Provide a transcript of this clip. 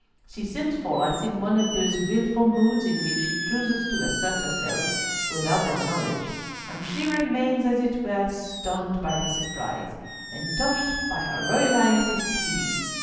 She sent for us in one of those wilful moods in which she chooses to assert herself without their knowledge, and she remains, as it were, stunned by the surprise, and touched by her Royal Highness's pleading.